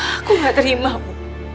aku gak terima bu